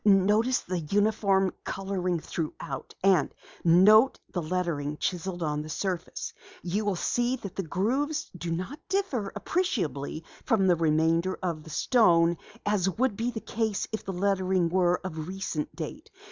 "Notice the uniform coloring throughout. And note the lettering chiseled on the surface. You will see that the grooves do not differ appreciably from the remainder of the stone as would be the case if the lettering were of recent date.